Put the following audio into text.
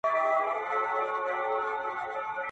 د یو ځوان ښایست په علم او هنر سره دېرېږي-